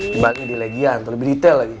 kembali di legian atau lebih detail lagi